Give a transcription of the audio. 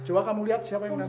coba kamu lihat siapa yang datang